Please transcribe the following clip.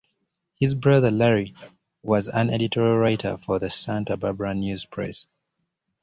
His brother, Larry, was an editorial writer for the "Santa Barbara News-Press".